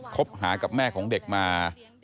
คบหากับแม่ของเด็กมา